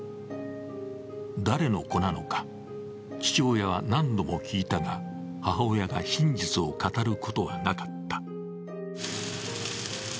誰の子なのか、父親は何度も聞いたが母親が真実を語ることはなかった。